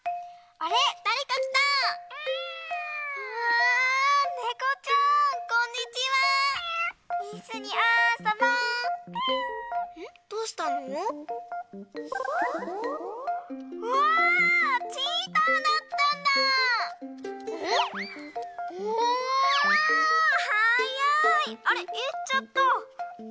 あれいっちゃった。